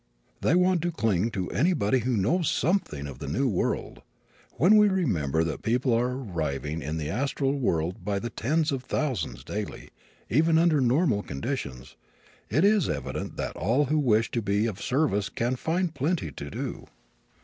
They want to cling to anybody who knows something of the new world. When we remember that people are arriving in the astral world by the tens of thousands daily, even under normal conditions, it is evident that all who wish to be of service can find plenty to do.